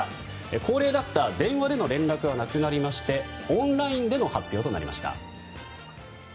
恒例だった電話での連絡がなくなりましてオンラインでの発表となりました。